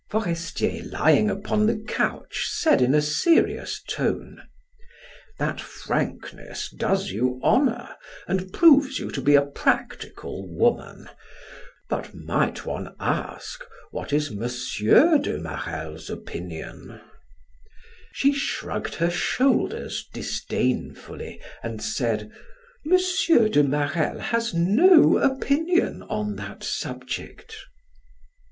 Forestier, lying upon the couch, said in serious tone: "That frankness does you honor and proves you to be a practical woman. But might one ask, what is M. de Marelle's opinion?" She shrugged her shoulders disdainfully and said: "M. de Marelle has no opinion on that subject."